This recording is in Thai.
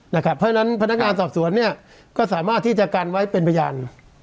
เพราะฉะนั้นพนักงานสอบสวนก็สามารถที่จะกันไว้เป็นพยาน